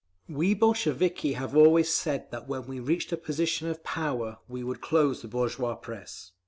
"We Bolsheviki have always said that when we reached a position of power we would close the bourgeois press.